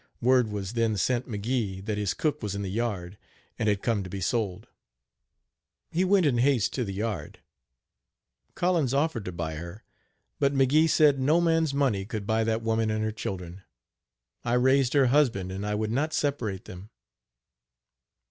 " Word was then sent McGee that his cook was in the yard and had come to be sold. He went in haste to the yard. Collins offered to buy her, but McGee said no man's money could buy that woman and her children. I raised her husband and I would not separate them.